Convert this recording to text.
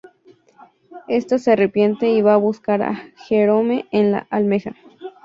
Este se arrepiente y va a buscar a Jerome en la Almeja.